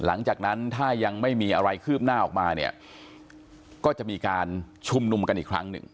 หลังจากนั้นถ้ายังไม่มีอะไรคืบหน้าออกมาเนี่ยก็จะมีการชุมนุมกันอีกครั้งหนึ่ง